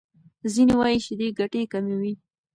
ځینې وايي شیدې ګټې کموي.